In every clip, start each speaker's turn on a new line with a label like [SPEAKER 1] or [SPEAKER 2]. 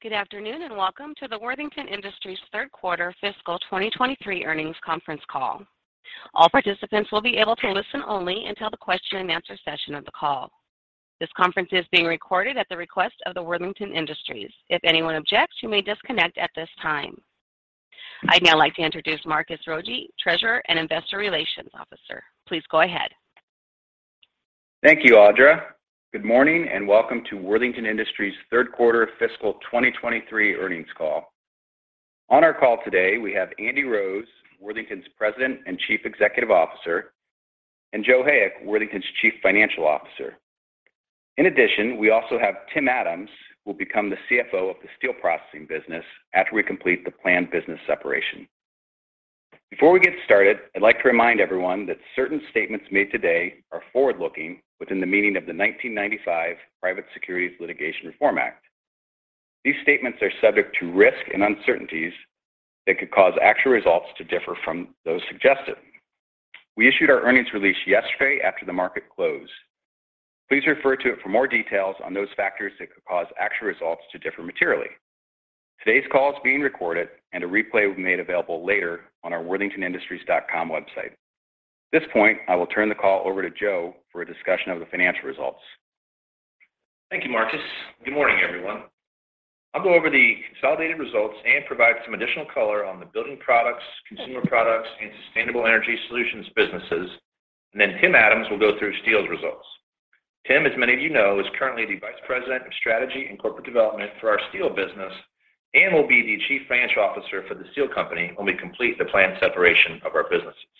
[SPEAKER 1] Good afternoon, welcome to the Worthington Industries third quarter fiscal 2023 earnings conference call. All participants will be able to listen only until the question-and-answer session of the call. This conference is being recorded at the request of the Worthington Industries. If anyone objects, you may disconnect at this time. I'd now like to introduce Marcus Rogier, Treasurer and Investor Relations Officer. Please go ahead.
[SPEAKER 2] Thank you, Audra. Good morning, welcome to Worthington Industries third quarter fiscal 2023 earnings call. On our call today, we have Andy Rose, Worthington's President and Chief Executive Officer, Joe Hayek, Worthington's Chief Financial Officer. In addition, we also have Tim Adams, who will become the CFO of the Steel Processing business after we complete the planned business separation. Before we get started, I'd like to remind everyone that certain statements made today are forward-looking within the meaning of the 1995 Private Securities Litigation Reform Act. These statements are subject to risk and uncertainties that could cause actual results to differ from those suggested. We issued our earnings release yesterday after the market closed. Please refer to it for more details on those factors that could cause actual results to differ materially. Today's call is being recorded and a replay will be made available later on our worthingtonindustries.com website. At this point, I will turn the call over to Joe for a discussion of the financial results.
[SPEAKER 3] Thank you, Marcus. Good morning, everyone. I'll go over the consolidated results and provide some additional color on the Building Products, Consumer Products, and Sustainable Energy Solutions businesses, and then Tim Adams will go through steel's results. Tim, as many of you know, is currently the Vice President of Strategy and Corporate Development for our steel business and will be the Chief Financial Officer for the steel company when we complete the planned separation of our businesses.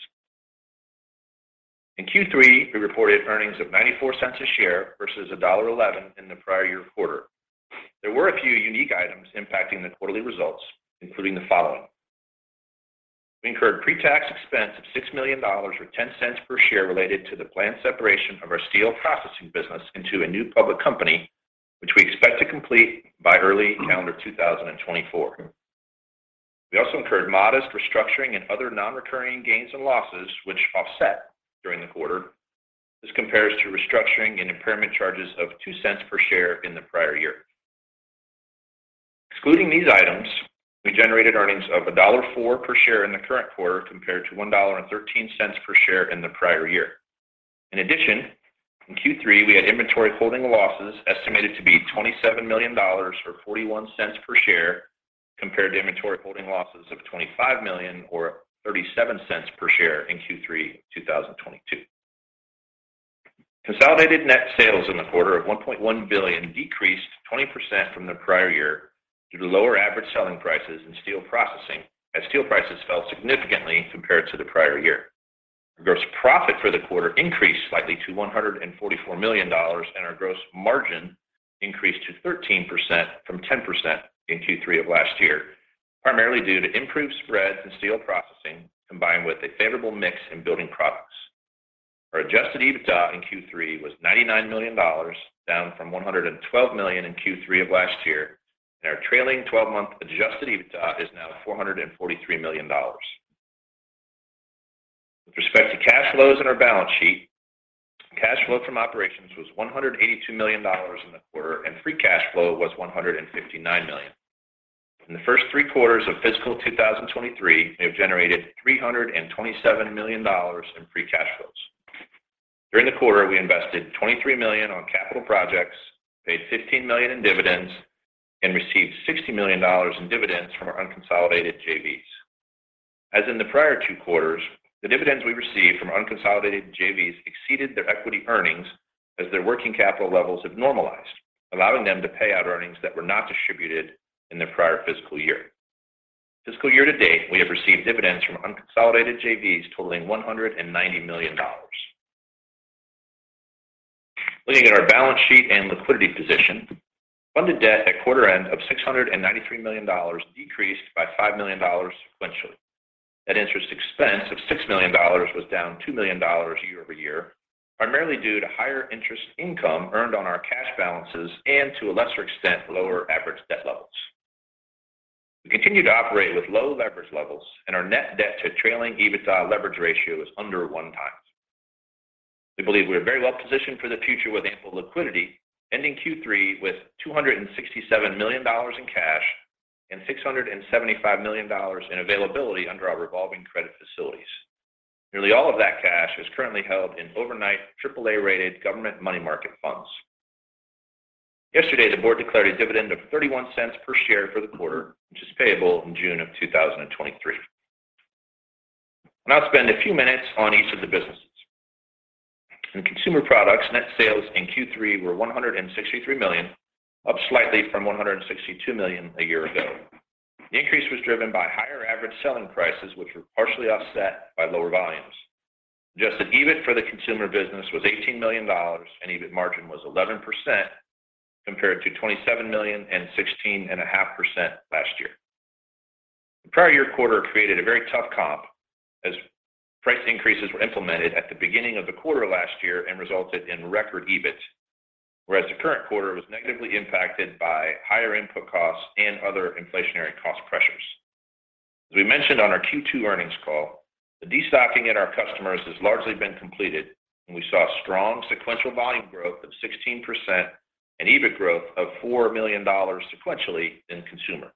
[SPEAKER 3] In Q3, we reported earnings of 0.94 a share versus $1.11 in the prior year quarter. There were a few unique items impacting the quarterly results, including the following. We incurred pre-tax expense of $6 million, or 0.10 per share, related to the planned separation of our Steel Processing business into a new public company, which we expect to complete by early calendar 2024. We also incurred modest restructuring and other non-recurring gains and losses which offset during the quarter. This compares to restructuring and impairment charges of 0.02 per share in the prior year. Excluding these items, we generated earnings of $1.04 per share in the current quarter, compared to $1.13 per share in the prior year. In Q3, we had inventory holding losses estimated to be $27 million, or 0.41 per share, compared to inventory holding losses of $25 million or 0.37 per share in Q3 2022. Consolidated net sales in the quarter of $1.1 billion decreased 20% from the prior year due to lower average selling prices in Steel Processing, as steel prices fell significantly compared to the prior year. Our gross profit for the quarter increased slightly to $144 million, and our gross margin increased to 13% from 10% in Q3 of last year, primarily due to improved spreads in Steel Processing, combined with a favorable mix in Building Products. Our adjusted EBITDA in Q3 was $99 million, down from $112 million in Q3 of last year, and our trailing twelve-month adjusted EBITDA is now $443 million. With respect to cash flows in our balance sheet, cash flow from operations was $182 million in the quarter, and free cash flow was 159 million. In the first three quarters of fiscal 2023, we have generated $327 million in free cash flows. During the quarter, we invested 23 million on capital projects, paid 15 million in dividends, and received $60 million in dividends from our unconsolidated JVs. As in the prior two quarters, the dividends we received from unconsolidated JVs exceeded their equity earnings as their working capital levels have normalized, allowing them to pay out earnings that were not distributed in the prior fiscal year. Fiscal year to date, we have received dividends from unconsolidated JVs totaling $190 million. Looking at our balance sheet and liquidity position, funded debt at quarter end of $693 million decreased by $5 million sequentially. Net interest expense of $6 million was down $2 million year-over-year, primarily due to higher interest income earned on our cash balances and, to a lesser extent, lower average debt levels. We continue to operate with low leverage levels, and our net debt to trailing EBITDA leverage ratio is under one times. We believe we are very well positioned for the future with ample liquidity, ending Q3 with $267 million in cash and $675 million in availability under our revolving credit facilities. Nearly all of that cash is currently held in overnight AAA-rated government money market funds. Yesterday, the board declared a dividend of 0.31 per share for the quarter, which is payable in June 2023. I'll now spend a few minutes on each of the businesses. In Consumer Products, net sales in Q3 were 163 million, up slightly from 162 million a year ago. The increase was driven by higher average selling prices which were partially offset by lower volumes. Adjusted EBIT for the Consumer business was $18 million, and EBIT margin was 11% compared to 27 million and 16.5% last year. The prior year quarter created a very tough comp as price increases were implemented at the beginning of the quarter last year and resulted in record EBIT. The current quarter was negatively impacted by higher input costs and other inflationary cost pressures. As we mentioned on our Q2 earnings call, the destocking in our customers has largely been completed, and we saw strong sequential volume growth of 16% and EBIT growth of $4 million sequentially in consumer.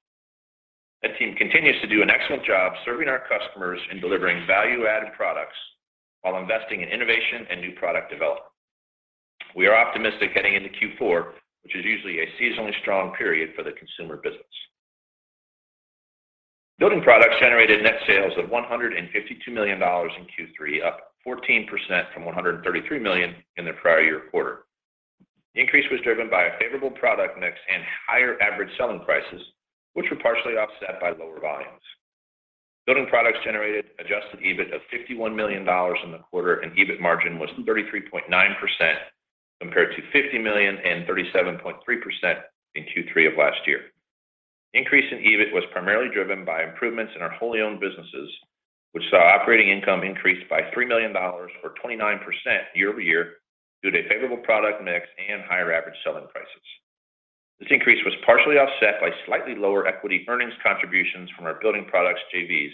[SPEAKER 3] That team continues to do an excellent job serving our customers and delivering value-added products while investing in innovation and new product development. We are optimistic getting into Q4, which is usually a seasonally strong period for the consumer business. Building Products generated net sales of $152 million in Q3, up 14% from 133 million in the prior year quarter. The increase was driven by a favorable product mix and higher average selling prices, which were partially offset by lower volumes. Building Products generated adjusted EBIT of $51 million in the quarter, and EBIT margin was 33.9% compared to 50 million and 37.3% in Q3 of last year. Increase in EBIT was primarily driven by improvements in our wholly owned businesses, which saw operating income increase by $3 million or 29% year-over-year due to favorable product mix and higher average selling prices. This increase was partially offset by slightly lower equity earnings contributions from our Building Products JVs,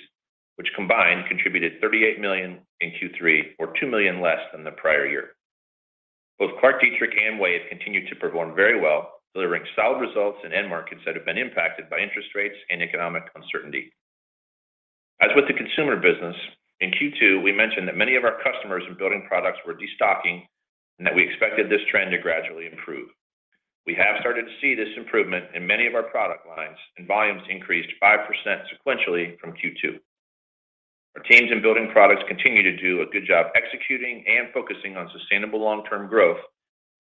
[SPEAKER 3] which combined contributed 38 million in Q3 or 2 million less than the prior year. Both ClarkDietrich and WAVE continued to perform very well, delivering solid results in end markets that have been impacted by interest rates and economic uncertainty. As with the Consumer business, in Q2, we mentioned that many of our customers in Building Products were destocking and that we expected this trend to gradually improve. We have started to see this improvement in many of our product lines, and volumes increased 5% sequentially from Q2. Our teams in Building Products continue to do a good job executing and focusing on sustainable long-term growth.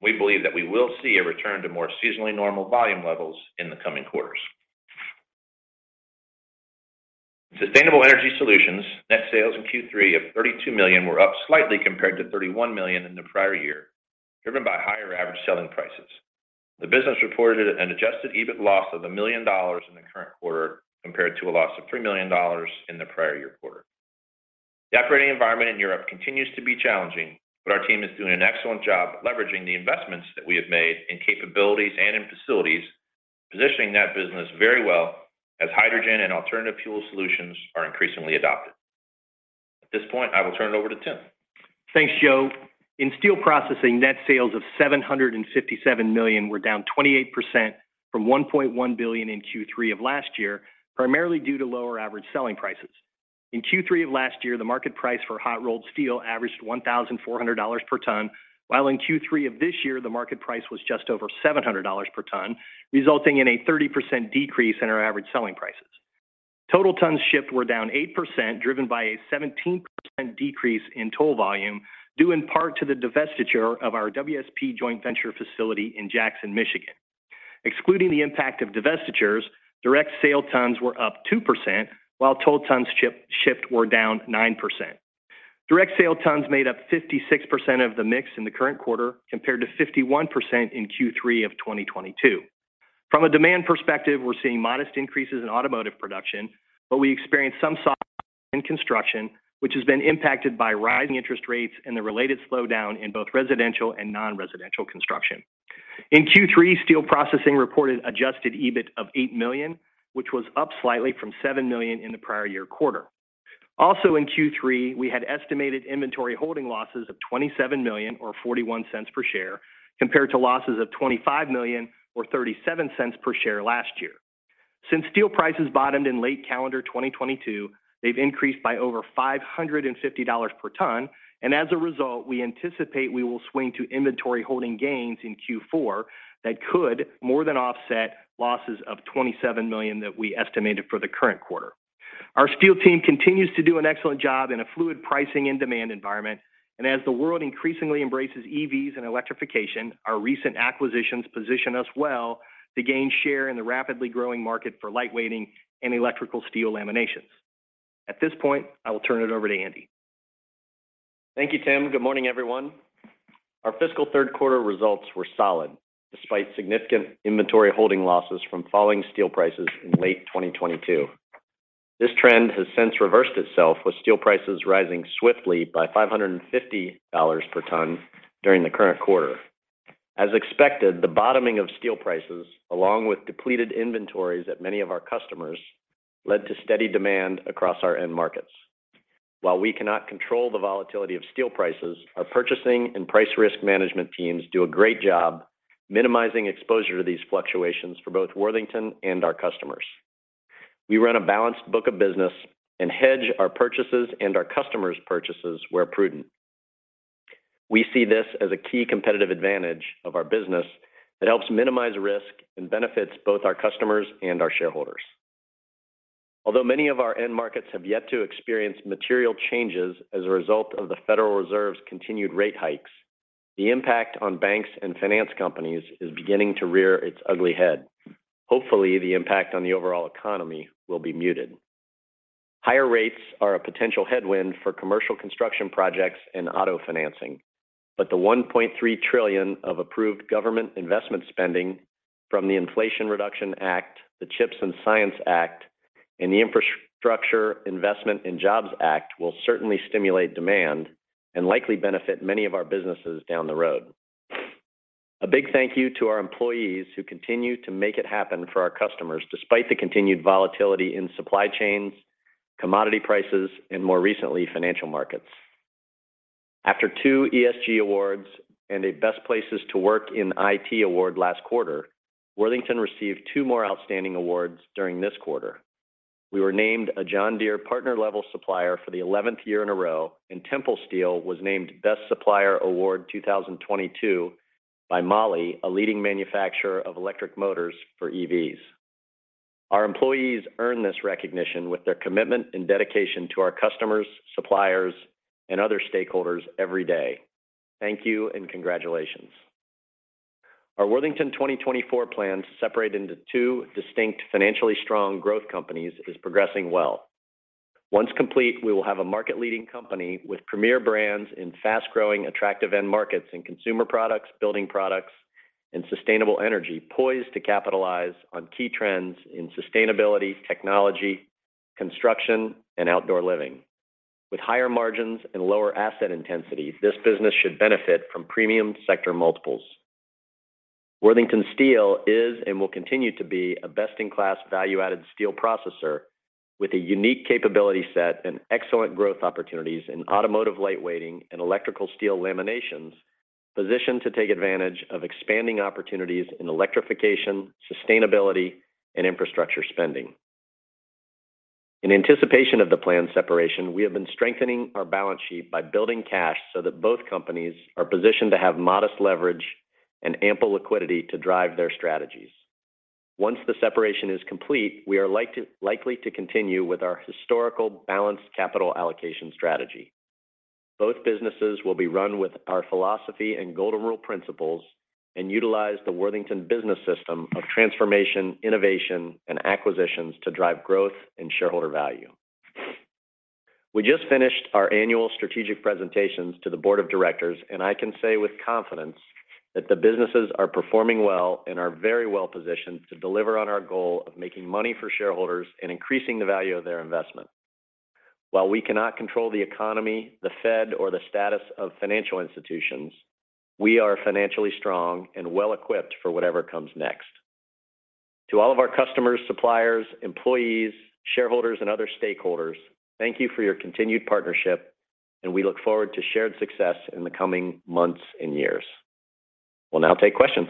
[SPEAKER 3] We believe that we will see a return to more seasonally normal volume levels in the coming quarters. Sustainable Energy Solutions net sales in Q3 of 32 million were up slightly compared to 31 million in the prior year, driven by higher average selling prices. The business reported an adjusted EBIT loss of $1 million in the current quarter compared to a loss of $3 million in the prior year quarter. The operating environment in Europe continues to be challenging, but our team is doing an excellent job leveraging the investments that we have made in capabilities and in facilities, positioning that business very well as hydrogen and alternative fuel solutions are increasingly adopted. At this point, I will turn it over to Tim.
[SPEAKER 4] Thanks, Joe. In Steel Processing, net sales of 757 million were down 28% from 1.1 billion in Q3 of last year, primarily due to lower average selling prices. In Q3 of last year, the market price for hot-rolled steel averaged $1,400 per ton, while in Q3 of this year, the market price was just over $700 per ton, resulting in a 30% decrease in our average selling prices. Total tons shipped were down 8%, driven by a 17% decrease in toll volume, due in part to the divestiture of our WSP joint venture facility in Jackson, Michigan. Excluding the impact of divestitures, direct sale tons were up 2%, while toll tons shipped were down 9%. Direct sale tons made up 56% of the mix in the current quarter, compared to 51% in Q3 of 2022. From a demand perspective, we're seeing modest increases in automotive production, but we experienced some softness in construction, which has been impacted by rising interest rates and the related slowdown in both residential and non-residential construction. In Q3, Steel Processing reported adjusted EBIT of 8 million, which was up slightly from 7 million in the prior year quarter. Also in Q3, we had estimated inventory holding losses of 27 million or 0.41 per share, compared to losses of 25 million or 0.37 per share last year. Since steel prices bottomed in late calendar 2022, they've increased by over $550 per ton. As a result, we anticipate we will swing to inventory holding gains in Q4 that could more than offset losses of 27 million that we estimated for the current quarter. Our Steel team continues to do an excellent job in a fluid pricing and demand environment. As the world increasingly embraces EVs and electrification, our recent acquisitions position us well to gain share in the rapidly growing market for lightweighting and electrical steel laminations. At this point, I will turn it over to Andy.
[SPEAKER 5] Thank you, Tim. Good morning, everyone. Our fiscal third quarter results were solid despite significant inventory holding losses from falling steel prices in late 2022. This trend has since reversed itself with steel prices rising swiftly by 550 per ton during the current quarter. As expected, the bottoming of steel prices, along with depleted inventories at many of our customers, led to steady demand across our end markets. While we cannot control the volatility of steel prices, our purchasing and price risk management teams do a great job minimizing exposure to these fluctuations for both Worthington and our customers. We run a balanced book of business and hedge our purchases and our customers' purchases where prudent. We see this as a key competitive advantage of our business that helps minimize risk and benefits both our customers and our shareholders. Although many of our end markets have yet to experience material changes as a result of the Federal Reserve's continued rate hikes, the impact on banks and finance companies is beginning to rear its ugly head. Hopefully, the impact on the overall economy will be muted. Higher rates are a potential headwind for commercial construction projects and auto financing. The 1.3 trillion of approved government investment spending from the Inflation Reduction Act, the CHIPS and Science Act, and the Infrastructure Investment and Jobs Act will certainly stimulate demand and likely benefit many of our businesses down the road. A big thank you to our employees who continue to make it happen for our customers despite the continued volatility in supply chains, commodity prices, and more recently, financial markets. After 2 ESG awards and a Best Places to Work in IT award last quarter, Worthington received two more outstanding awards during this quarter. We were named a John Deere Partner Level Supplier for the 11th year in a row, and Tempel Steel was named Best Supplier Award 2022 by MAHLE, a leading manufacturer of electric motors for EVs. Our employees earn this recognition with their commitment and dedication to our customers, suppliers, and other stakeholders every day. Thank you and congratulations. Our Worthington 2024 plan to separate into two distinct financially strong growth companies is progressing well. Once complete, we will have a market-leading company with premier brands in fast-growing, attractive end markets in Consumer Products, Building Products, and Sustainable Energy poised to capitalize on key trends in sustainability, technology, construction, and outdoor living. With higher margins and lower asset intensity, this business should benefit from premium sector multiples. Worthington Steel is and will continue to be a best-in-class value-added steel processor with a unique capability set and excellent growth opportunities in automotive lightweighting and electrical steel laminations, positioned to take advantage of expanding opportunities in electrification, sustainability, and infrastructure spending. In anticipation of the planned separation, we have been strengthening our balance sheet by building cash so that both companies are positioned to have modest leverage and ample liquidity to drive their strategies. Once the separation is complete, we are likely to continue with our historical balanced capital allocation strategy. Both businesses will be run with our philosophy and golden rule principles and utilize the Worthington Business System of transformation, innovation, and acquisitions to drive growth and shareholder value. We just finished our annual strategic presentations to the board of directors, and I can say with confidence that the businesses are performing well and are very well positioned to deliver on our goal of making money for shareholders and increasing the value of their investment. While we cannot control the economy, the Fed, or the status of financial institutions, we are financially strong and well equipped for whatever comes next. To all of our customers, suppliers, employees, shareholders, and other stakeholders, thank you for your continued partnership, and we look forward to shared success in the coming months and years. We'll now take questions.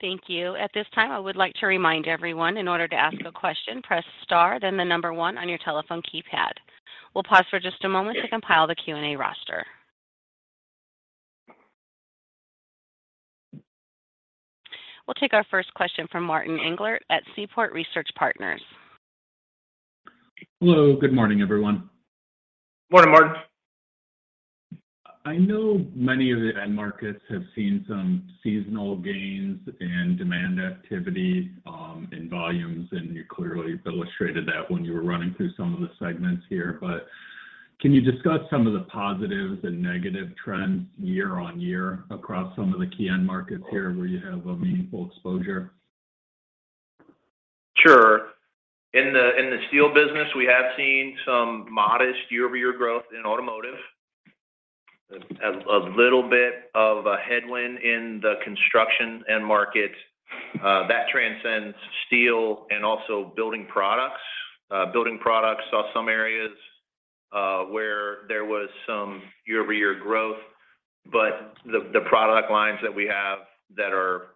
[SPEAKER 1] Thank you. At this time, I would like to remind everyone in order to ask a question, press star, then the number 1 on your telephone keypad. We'll pause for just a moment to compile the Q&A roster. We'll take our first question from Martin Englert at Seaport Research Partners.
[SPEAKER 6] Hello, good morning, everyone.
[SPEAKER 5] Morning, Martin.
[SPEAKER 6] I know many of the end markets have seen some seasonal gains in demand activity, in volumes, and you clearly illustrated that when you were running through some of the segments here. Can you discuss some of the positive and negative trends year-on-year across some of the key end markets here where you have a meaningful exposure?
[SPEAKER 5] Sure. In the steel business, we have seen some modest year-over-year growth in automotive. A little bit of a headwind in the construction end market. That transcends steel and also Building Products. Building Products saw some areas where there was some year-over-year growth. The product lines that we have that are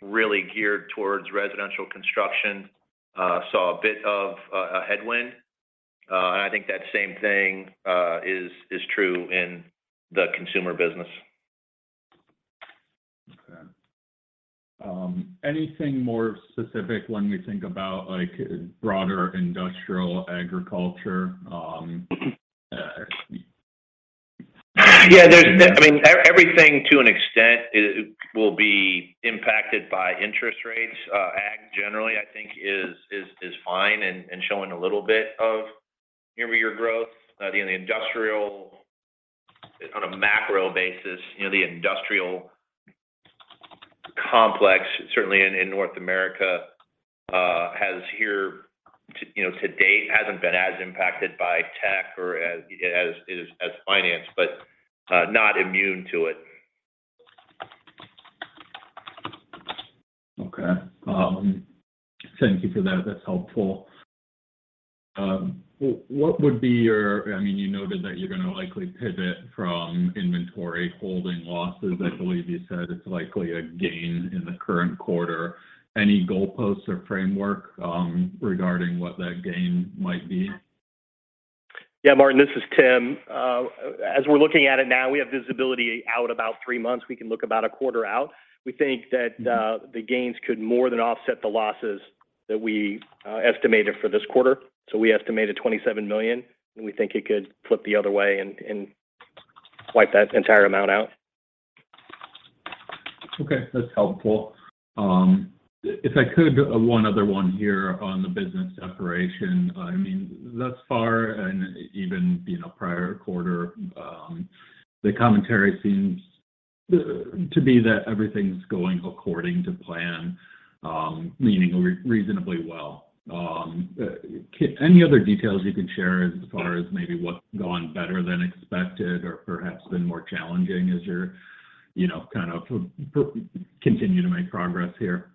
[SPEAKER 5] really geared towards residential construction saw a bit of a headwind. I think that same thing is true in the Consumer business.
[SPEAKER 6] Okay. Anything more specific when we think about, like broader industrial agriculture.
[SPEAKER 5] I mean, everything to an extent will be impacted by interest rates. Ag generally, I think is fine and showing a little bit of year-over-year growth. You know, the industrial on a macro basis, you know, the industrial complex, certainly in North America, has here to, you know, to date hasn't been as impacted by tech or as finance, not immune to it.
[SPEAKER 6] Thank you for that. That's helpful. What would be your-- I mean, you noted that you're going to likely pivot from inventory holding losses. I believe you said it's likely a gain in the current quarter. Any goalposts or framework regarding what that gain might be?
[SPEAKER 5] Yeah, Martin, this is Tim. As we're looking at it now, we have visibility out about three months. We can look about a quarter out. We think that the gains could more than offset the losses that we estimated for this quarter. We estimated 27 million, and we think it could flip the other way and wipe that entire amount out.
[SPEAKER 6] Okay. That's helpful. If I could, one other one here on the business separation. I mean, thus far, and even, you know, prior quarter, the commentary seems to be that everything's going according to plan, meaning reasonably well. Any other details you can share as far as maybe what's gone better than expected or perhaps been more challenging as you're, you know, kind of continue to make progress here?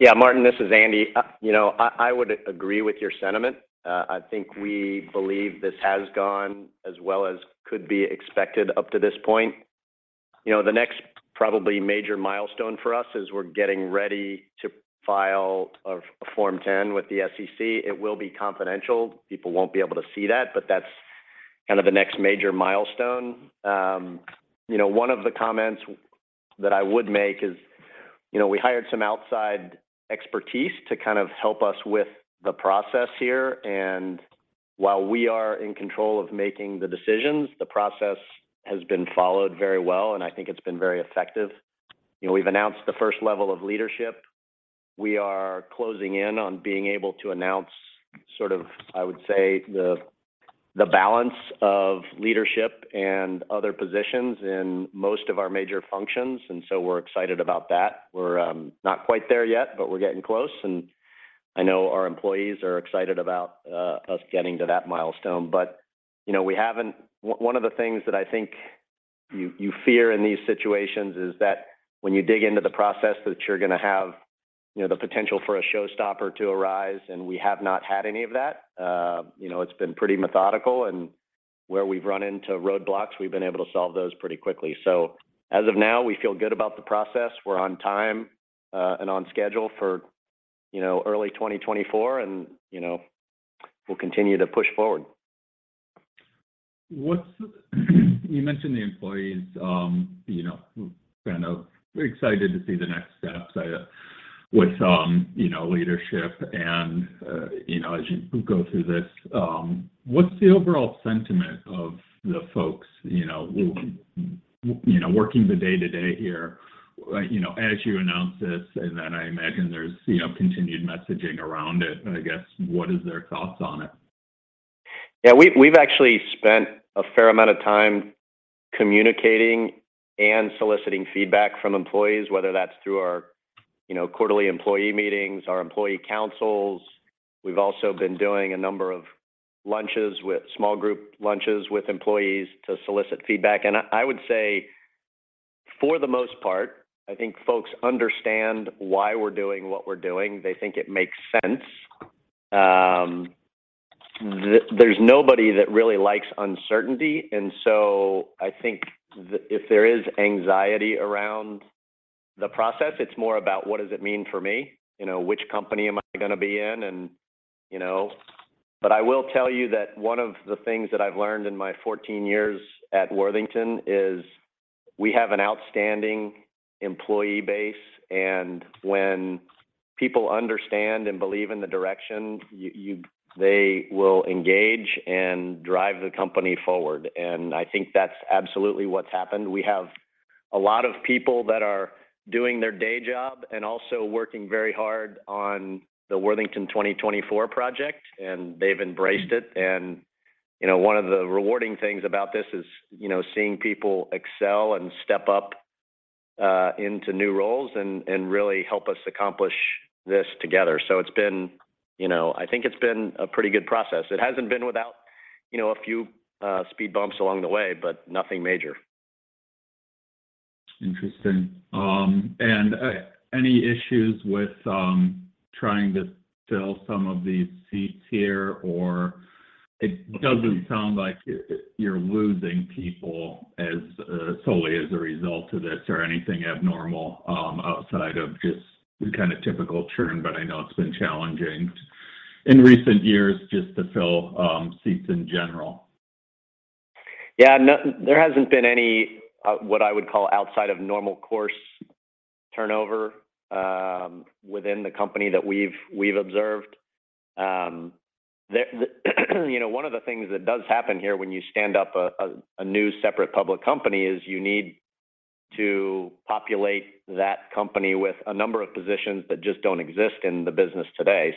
[SPEAKER 5] Yeah, Martin, this is Andy. You know, I would agree with your sentiment. I think we believe this has gone as well as could be expected up to this point. You know, the next probably major milestone for us is we're getting ready to file a Form 10 with the SEC. It will be confidential. People won't be able to see that, but that's kind of the next major milestone. You know, one of the comments that I would make is, you know, we hired some outside expertise to kind of help us with the process here. While we are in control of making the decisions, the process has been followed very well, and I think it's been very effective. You know, we've announced the first level of leadership. We are closing in on being able to announce sort of, I would say, the balance of leadership and other positions in most of our major functions. We're excited about that. We're not quite there yet, but we're getting close. I know our employees are excited about us getting to that milestone. You know, we haven't. One of the things that I think you fear in these situations is that when you dig into the process that you're going to have, you know, the potential for a showstopper to arise, and we have not had any of that. You know, it's been pretty methodical. Where we've run into roadblocks, we've been able to solve those pretty quickly. As of now, we feel good about the process. We're on time, and on schedule for, you know, early 2024, and, you know, we'll continue to push forward.
[SPEAKER 6] You mentioned the employees, you know, kind of excited to see the next steps, with, you know, leadership and, you know, as you go through this. What's the overall sentiment of the folks, you know, working the day-to-day here, you know, as you announce this, and then I imagine there's, you know, continued messaging around it? I guess, what is their thoughts on it?
[SPEAKER 5] Yeah. We've actually spent a fair amount of time communicating and soliciting feedback from employees, whether that's through our, you know, quarterly employee meetings, our employee councils. We've also been doing a number of small group lunches with employees to solicit feedback. I would say for the most part, I think folks understand why we're doing what we're doing. They think it makes sense. There's nobody that really likes uncertainty. I think if there is anxiety around the process, it's more about what does it mean for me, you know, which company am I going to be in and, you know. I will tell you that one of the things that I've learned in my 14 years at Worthington is we have an outstanding employee base. When people understand and believe in the direction, they will engage and drive the company forward. I think that's absolutely what's happened. We have a lot of people that are doing their day job and also working very hard on the Worthington 2024 project, and they've embraced it. You know, one of the rewarding things about this is, you know, seeing people excel and step up, into new roles and really help us accomplish this together. It's been, you know. I think it's been a pretty good process. It hasn't been without, you know, a few speed bumps along the way, but nothing major.
[SPEAKER 6] Interesting. Any issues with trying to fill some of these seats here, or it doesn't sound like you're losing people as solely as a result of this or anything abnormal, outside of just the kind of typical churn, but I know it's been challenging in recent years just to fill seats in general?
[SPEAKER 5] Yeah. There hasn't been any, what I would call outside of normal course turnover, within the company that we've observed. You know, one of the things that does happen here when you stand up a new separate public company is you need to populate that company with a number of positions that just don't exist in the business today.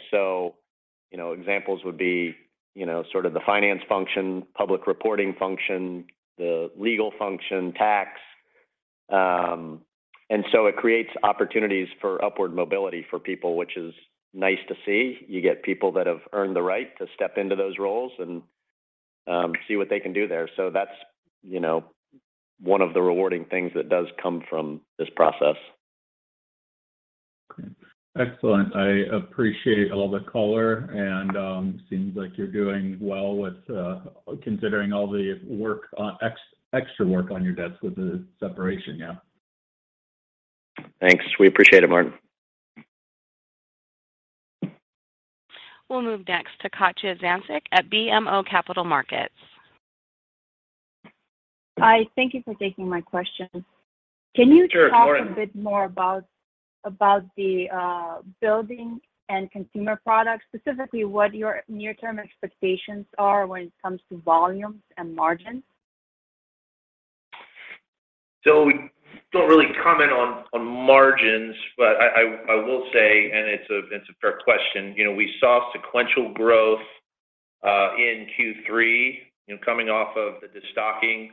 [SPEAKER 5] Examples would be, you know, sort of the finance function, public reporting function, the legal function, tax. It creates opportunities for upward mobility for people, which is nice to see. You get people that have earned the right to step into those roles and see what they can do there. That's, you know, one of the rewarding things that does come from this process.
[SPEAKER 6] Okay. Excellent. I appreciate all the color and seems like you're doing well with considering all the extra work on your desk with the separation. Yeah.
[SPEAKER 5] Thanks. We appreciate it, Martin.
[SPEAKER 1] We'll move next to Katja Jancic at BMO Capital Markets.
[SPEAKER 7] Hi. Thank you for taking my question.
[SPEAKER 5] Sure. Go ahead.
[SPEAKER 7] Can you talk a bit more about the Building and Consumer Products, specifically what your near-term expectations are when it comes to volumes and margins?
[SPEAKER 5] We don't really comment on margins, but I will say, and it's a fair question. You know, we saw sequential growth in Q3, you know, coming off of the destocking.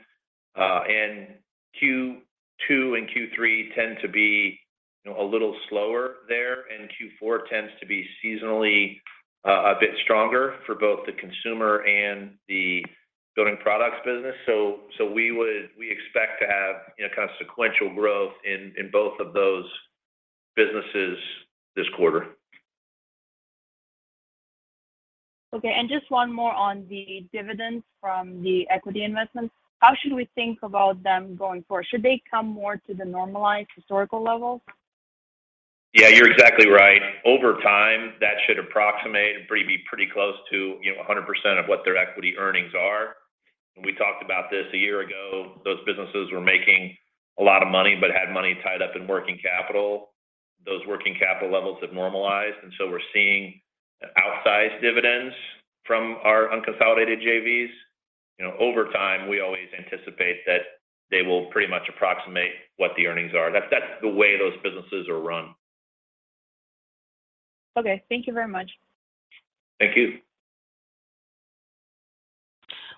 [SPEAKER 5] Q2 and Q3 tend to be, you know, a little slower there, and Q4 tends to be seasonally a bit stronger for both the consumer and the.
[SPEAKER 2] Building Products business. We expect to have, you know, kind of sequential growth in both of those businesses this quarter.
[SPEAKER 7] Okay. Just one more on the dividends from the equity investments. How should we think about them going forward? Should they come more to the normalized historical levels?
[SPEAKER 2] Yeah, you're exactly right. Over time, that should approximate or be pretty close to, you know, 100% of what their equity earnings are. When we talked about this a year ago, those businesses were making a lot of money, but had money tied up in working capital. Those working capital levels have normalized, we're seeing outsized dividends from our unconsolidated JVs. You know, over time, we always anticipate that they will pretty much approximate what the earnings are. That's the way those businesses are run.
[SPEAKER 7] Okay. Thank you very much.
[SPEAKER 2] Thank you.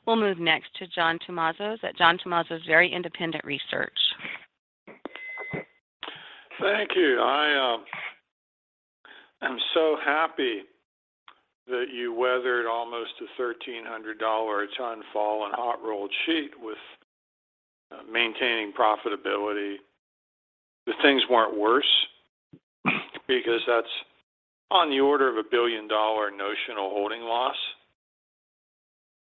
[SPEAKER 1] We'll move next to John Tumazos at John Tumazos Very Independent Research.
[SPEAKER 8] Thank you. I am so happy that you weathered almost a $1,300 a ton fall in hot-rolled sheet with maintaining profitability. The things weren't worse because that's on the order of a $1 billion notional holding loss.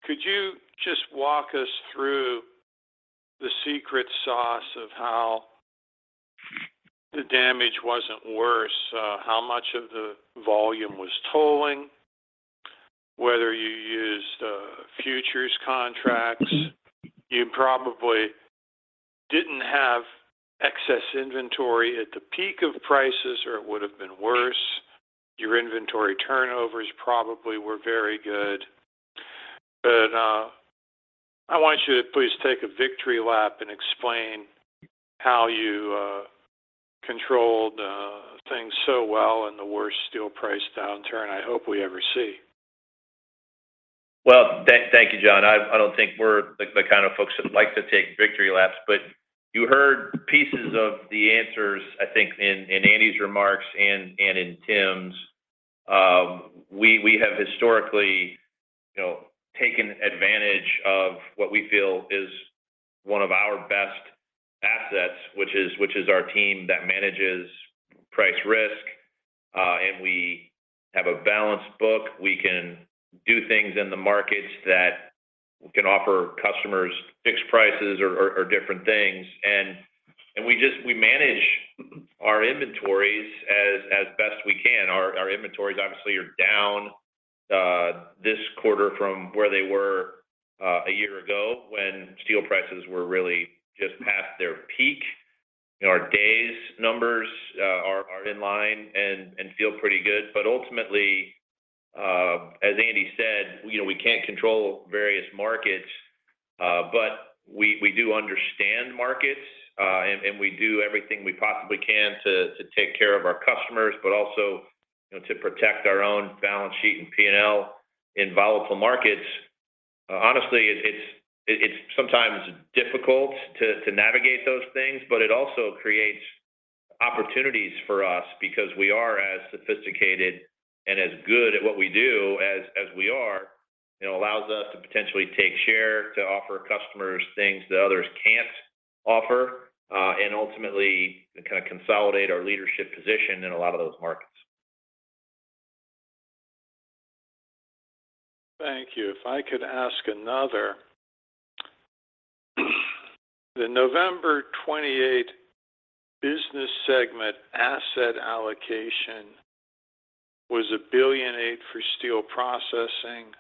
[SPEAKER 8] Could you just walk us through the secret sauce of how the damage wasn't worse? How much of the volume was tolling, whether you used futures contracts. You probably didn't have excess inventory at the peak of prices, or it would've been worse. Your inventory turnovers probably were very good. I want you to please take a victory lap and explain how you controlled things so well in the worst steel price downturn I hope we ever see.
[SPEAKER 2] Thank you, John. I don't think we're the kind of folks that like to take victory laps. You heard pieces of the answers, I think in Andy's remarks and in Tim's. We have historically, you know, taken advantage of what we feel is one of our best assets, which is our team that manages price risk. We have a balanced book. We can do things in the markets that can offer customers fixed prices or different things. We manage our inventories as best we can. Our inventories obviously are down this quarter from where they were a year ago when steel prices were really just past their peak. You know, our days numbers are in line and feel pretty good. Ultimately, as Andy said, you know, we can't control various markets, but we do understand markets, and we do everything we possibly can to take care of our customers, but also, you know, to protect our own balance sheet and P&L in volatile markets. Honestly, it's sometimes difficult to navigate those things, but it also creates opportunities for us because we are as sophisticated and as good at what we do as we are. It allows us to potentially take share to offer customers things that others can't offer, and ultimately kind of consolidate our leadership position in a lot of those markets.
[SPEAKER 8] Thank you. If I could ask another. The November 28 business segment asset allocation was 1.8 billion for Steel Processing,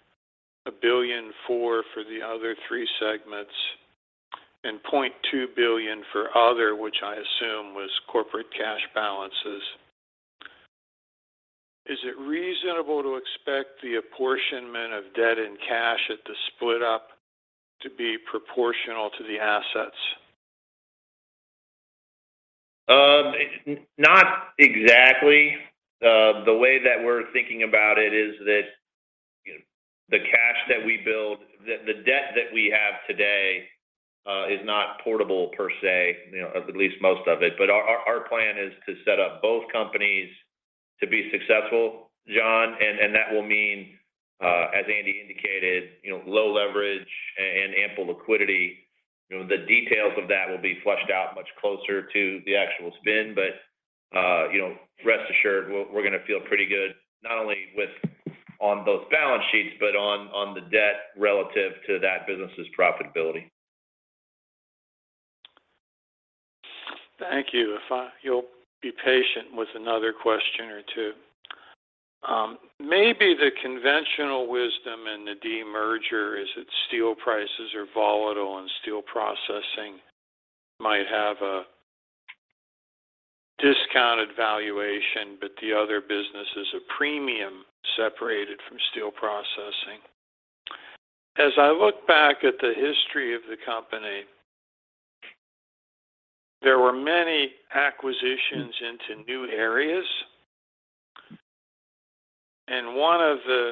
[SPEAKER 8] 1.4 billion for the other three segments, and 0.2 billion for Other, which I assume was corporate cash balances. Is it reasonable to expect the apportionment of debt and cash at the split up to be proportional to the assets?
[SPEAKER 2] Not exactly. The way that we're thinking about it is that, you know, the debt that we have today, is not portable per se, you know, at least most of it. Our plan is to set up both companies to be successful, John, and that will mean, as Andy indicated, you know, low leverage and ample liquidity. You know, the details of that will be fleshed out much closer to the actual spin. Rest assured, we're going to feel pretty good, not only with both balance sheets, but on the debt relative to that business's profitability.
[SPEAKER 8] Thank you. If you'll be patient with another question or two. Maybe the conventional wisdom in the demerger is that steel prices are volatile and Steel Processing might have a discounted valuation, the other business is a premium separated from Steel Processing. As I look back at the history of the company, there were many acquisitions into new areas. One of the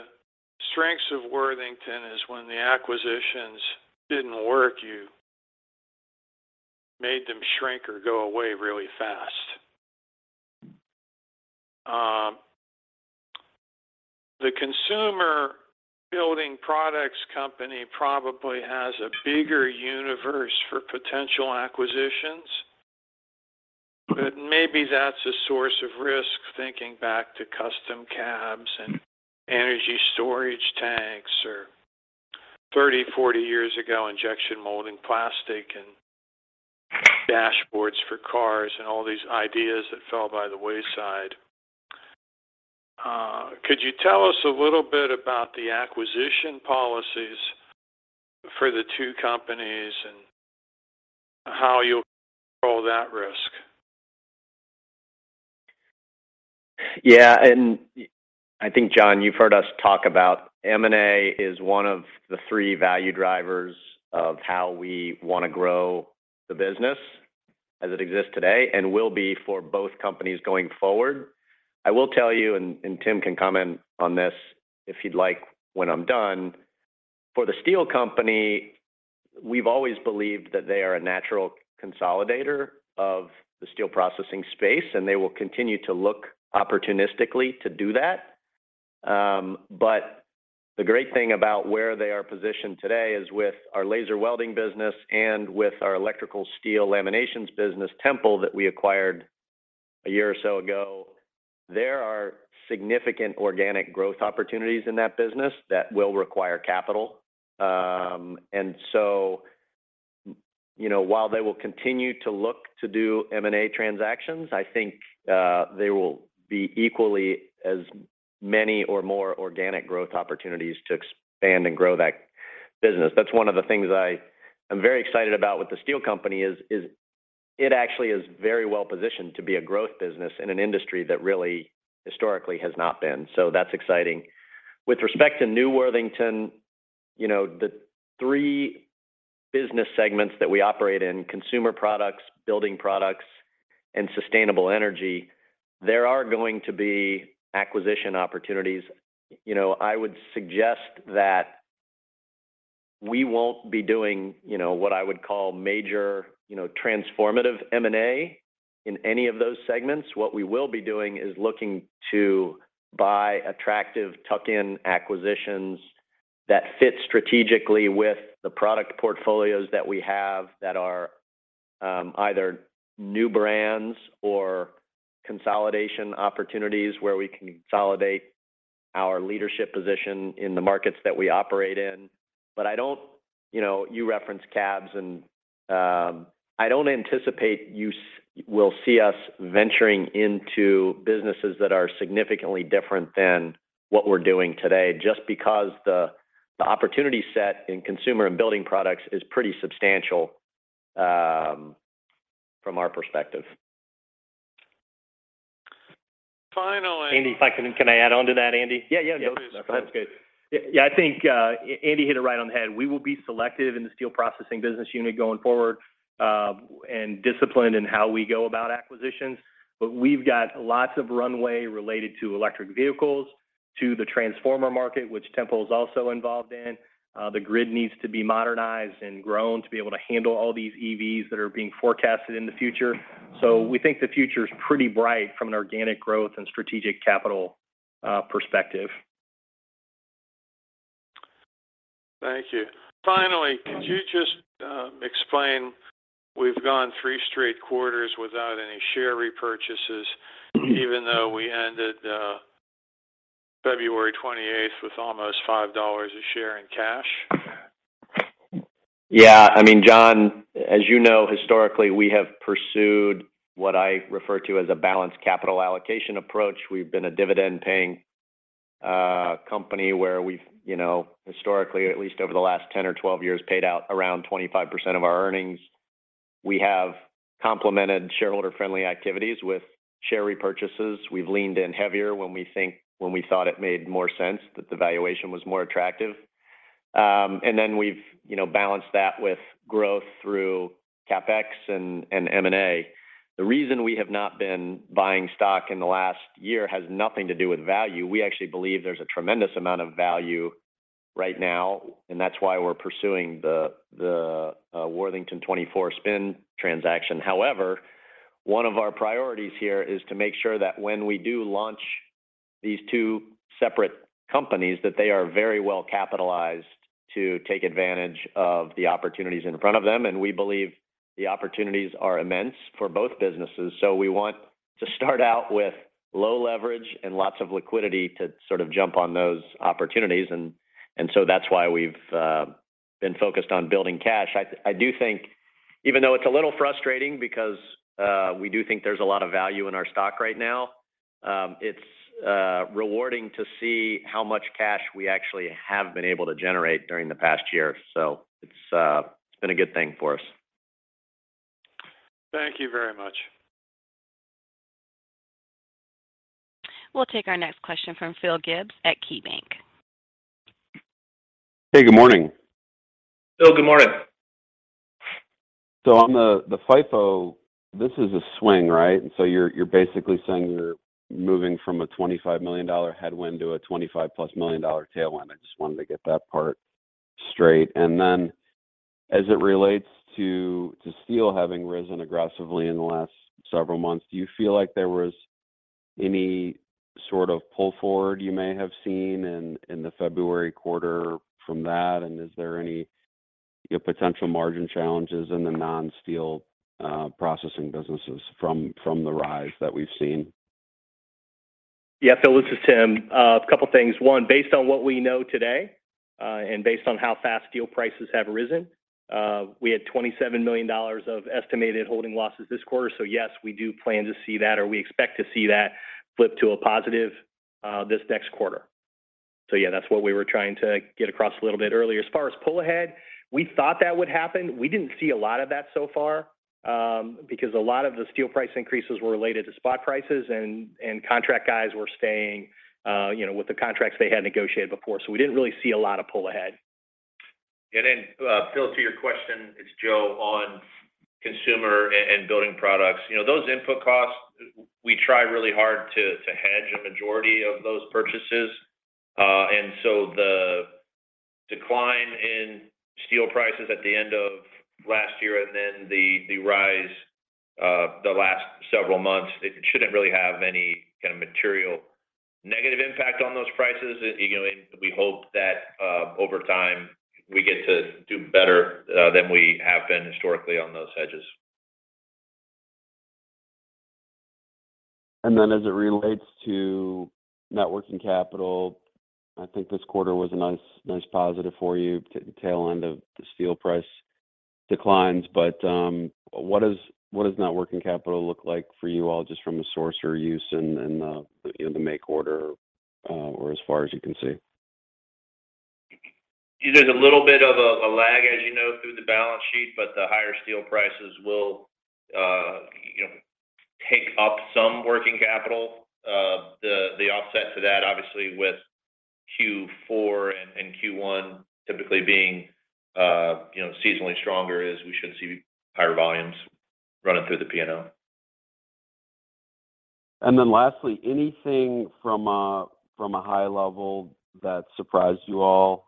[SPEAKER 8] strengths of Worthington is when the acquisitions didn't work, you made them shrink or go away really fast. The consumer building products company probably has a bigger universe for potential acquisitions. Maybe that's a source of risk, thinking back to custom cabs and energy storage tanks, or 30, 40 years ago, injection molding plastic and dashboards for cars, and all these ideas that fell by the wayside. Could you tell us a little bit about the acquisition policies for the two companies and how you'll control that risk?
[SPEAKER 5] I think, John, you've heard us talk about M and A is one of the three value drivers of how we want to grow the business as it exists today, and will be for both companies going forward. I will tell you, and Tim can comment on this if he'd like when I'm done. For Worthington Steel, we've always believed that they are a natural consolidator of the steel processing space, and they will continue to look opportunistically to do that. The great thing about where they are positioned today is with our laser welding business and with our electrical steel laminations business, Tempel Steel, that we acquired a year or so ago. There are significant organic growth opportunities in that business that will require capital. You know, while they will continue to look to do M and A transactions, I think there will be equally as many or more organic growth opportunities to expand and grow that business. That's one of the things I am very excited about with the steel company is it actually is very well positioned to be a growth business in an industry that really historically has not been. That's exciting. With respect to New Worthington, you know, the three business segments that we operate in, Consumer Products, Building Products, and Sustainable Energy, there are going to be acquisition opportunities. You know, I would suggest that we won't be doing, you know, what I would call major, you know, transformative M&A in any of those segments. What we will be doing is looking to buy attractive tuck-in acquisitions that fit strategically with the product portfolios that we have that are either new brands or consolidation opportunities, where we can consolidate our leadership position in the markets that we operate in. You know, you referenced cabs and I don't anticipate you will see us venturing into businesses that are significantly different than what we're doing today, just because the opportunity set in Consumer Products and Building Products is pretty substantial from our perspective.
[SPEAKER 8] Finally-
[SPEAKER 4] Andy, Can I add on to that, Andy?
[SPEAKER 5] Yeah, yeah. Go ahead.
[SPEAKER 4] That's good. Yeah, I think Andy hit it right on the head. We will be selective in the Steel Processing business unit going forward, and disciplined in how we go about acquisitions. We've got lots of runway related to electric vehicles, to the transformer market, which Tempel is also involved in. The grid needs to be modernized and grown to be able to handle all these EVs that are being forecasted in the future. We think the future is pretty bright from an organic growth and strategic capital perspective.
[SPEAKER 8] Thank you. Finally, could you just explain, we've gone three straight quarters without any share repurchases, even though we ended February 28th with almost $5 a share in cash.
[SPEAKER 5] Yeah. I mean, John, as you know, historically, we have pursued what I refer to as a balanced capital allocation approach. We've been a dividend-paying company, where we've, you know, historically, at least over the last 10 or 12 years, paid out around 25% of our earnings. We have complemented shareholder-friendly activities with share repurchases. We've leaned in heavier when we thought it made more sense that the valuation was more attractive. Then we've, you know, balanced that with growth through CapEx and M&A. The reason we have not been buying stock in the last year has nothing to do with value. We actually believe there's a tremendous amount of value right now, and that's why we're pursuing the Worthington 2024 spin transaction. One of our priorities here is to make sure that when we do launch these two separate companies, that they are very well capitalized to take advantage of the opportunities in front of them. We believe the opportunities are immense for both businesses. We want to start out with low leverage and lots of liquidity to sort of jump on those opportunities. That's why we've been focused on building cash. I do think even though it's a little frustrating because we do think there's a lot of value in our stock right now, it's rewarding to see how much cash we actually have been able to generate during the past year. It's been a good thing for us.
[SPEAKER 8] Thank you very much.
[SPEAKER 1] We'll take our next question from Phil Gibbs at KeyBank.
[SPEAKER 9] Hey, good morning.
[SPEAKER 5] Phil, good morning.
[SPEAKER 9] On the FIFO, this is a swing, right? You're, you're basically saying you're moving from a $25 million headwind to a $25+ million tailwind. I just wanted to get that part straight. As it relates to steel having risen aggressively in the last several months, do you feel like there was any sort of pull forward you may have seen in the February quarter from that? And is there any potential margin challenges in the non-steel processing businesses from the rise that we've seen?
[SPEAKER 4] Phil, this is Tim. A couple things. One, based on what we know today, and based on how fast steel prices have risen, we had $27 million of estimated holding losses this quarter. Yes, we do plan to see that or we expect to see that flip to a positive, this next quarter. Yeah, that's what we were trying to get across a little bit earlier. As far as pull ahead, we thought that would happen. We didn't see a lot of that so far, because a lot of the steel price increases were related to spot prices and contract guys were staying, you know, with the contracts they had negotiated before. We didn't really see a lot of pull ahead.
[SPEAKER 5] Then, Phil, to your question, it's Joe, on Consumer and Building Products. You know, those input costs, we try really hard to hedge a majority of those purchases. So the decline in steel prices at the end of last year and then the rise the last several months, it shouldn't really have any kind of material negative impact on those prices. You know, we hope that over time, we get to do better than we have been historically on those hedges.
[SPEAKER 9] As it relates to net working capital, I think this quarter was a nice positive for you, the tail end of the steel price declines. What does net working capital look like for you all just from a source or use in the, you know, the make order, or as far as you can see?
[SPEAKER 5] There's a little bit of a lag, as you know, through the balance sheet, but the higher steel prices will, you know, take up some working capital. The offset to that, obviously, with Q4 and Q1 typically being, you know, seasonally stronger is we should see higher volumes running through the P&L.
[SPEAKER 9] Lastly, anything from a high level that surprised you all,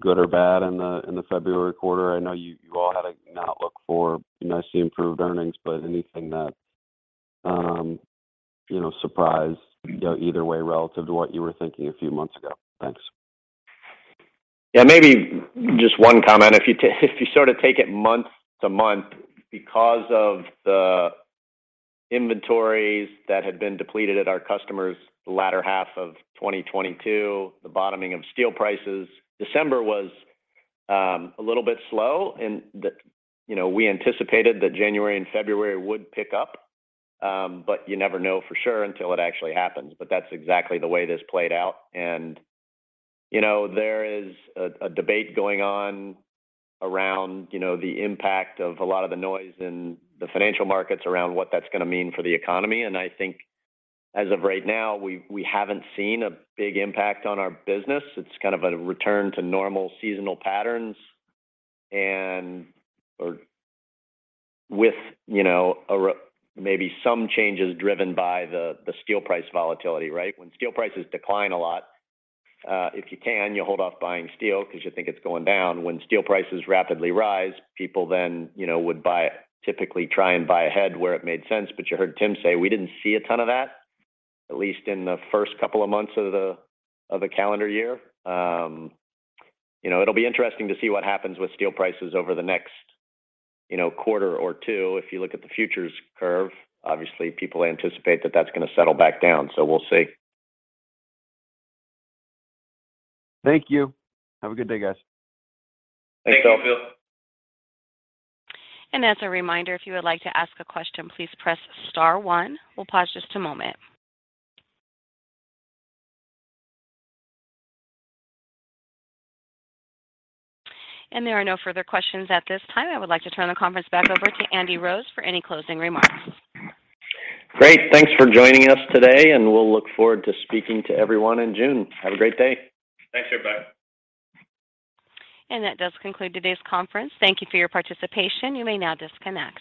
[SPEAKER 9] good or bad in the February quarter? I know you all had an outlook for nicely improved earnings, but anything that, you know, surprised, you know, either way relative to what you were thinking a few months ago? Thanks.
[SPEAKER 5] Yeah, maybe just one comment. If you sort of take it month to month because of the inventories that had been depleted at our customers the latter half of 2022, the bottoming of steel prices, December was a little bit slow. You know, we anticipated that January and February would pick up, but you never know for sure until it actually happens. That's exactly the way this played out. You know, there is a debate going on around, you know, the impact of a lot of the noise in the financial markets around what that's going to mean for the economy. I think as of right now, we haven't seen a big impact on our business. It's kind of a return to normal seasonal patterns or with, you know, maybe some changes driven by the steel price volatility, right? When steel prices decline a lot, if you can, you hold off buying steel 'cause you think it's going down. When steel prices rapidly rise, people then, you know, typically try and buy ahead where it made sense. You heard Tim say, we didn't see a ton of that, at least in the first couple of months of the calendar year. You know, it'll be interesting to see what happens with steel prices over the next, you know, quarter or two. If you look at the futures curve, obviously people anticipate that that's going to settle back down. We'll see.
[SPEAKER 9] Thank you. Have a good day, guys.
[SPEAKER 5] Thanks, Phil.
[SPEAKER 4] Thank you.
[SPEAKER 1] As a reminder, if you would like to ask a question, please press star one. We'll pause just a moment. There are no further questions at this time. I would like to turn the conference back over to Andy Rose for any closing remarks.
[SPEAKER 5] Great. Thanks for joining us today, and we'll look forward to speaking to everyone in June. Have a great day.
[SPEAKER 4] Thanks everybody.
[SPEAKER 1] That does conclude today's conference. Thank you for your participation. You may now disconnect.